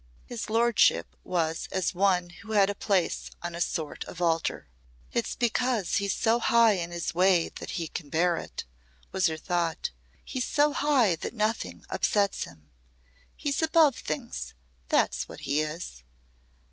His lordship was as one who had a place on a sort of altar. "It's because he's so high in his way that he can bear it," was her thought. "He's so high that nothing upsets him. He's above things that's what he is."